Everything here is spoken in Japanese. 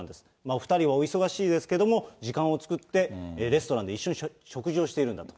お２人はお忙しいですけど、時間を作って、レストランで一緒に食事をしているんだと。